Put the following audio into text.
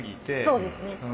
そうですね。